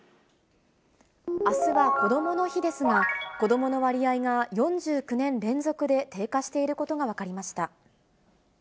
あすはこどもの日ですが、子どもの割合が４９年連続で低下していることが分かりました。